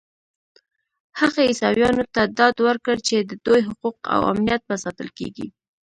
هغه عیسویانو ته ډاډ ورکړ چې د دوی حقوق او امنیت به ساتل کېږي.